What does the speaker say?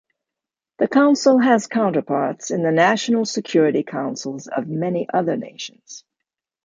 The Council has counterparts in the national security councils of many other nations.